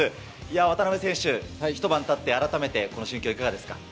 渡辺選手、一晩たって改めてこの心境、いかがですか？